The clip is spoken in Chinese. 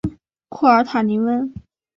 库尔塔尼翁。